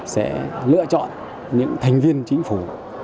sẽ lựa chọn những thành viên chính phủ